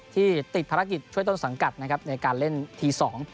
ที่ติดภารกิจช่วยต้นสังกัดนะครับในการเล่นทีสอง